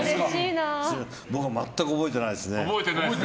僕は全く覚えてないですね。